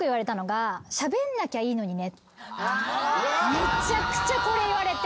めちゃくちゃこれ言われて。